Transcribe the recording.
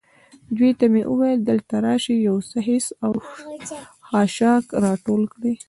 دوی ته مې وویل: دلته راشئ، یو څه خس او خاشاک را ټول کړئ.